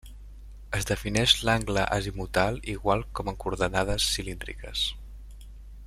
Es defineix l'angle azimutal igual com en coordenades cilíndriques.